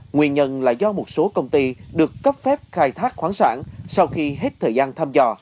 nguyên nhân là do một số công ty được cấp phép khai thác khoáng sản sau khi hết thời gian thăm dò